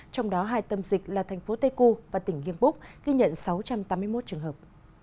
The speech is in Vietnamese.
trong đó hai tâm dịch là thành phố teku và tỉnh nghiêm búc ghi nhận sáu trăm tám mươi một trường hợp